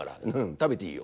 たべていいよ」。